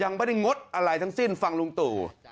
ยังไม่ได้งดอะไรทั้งสิ้นฟังลุงตู่